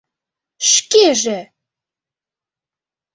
Шкеже!..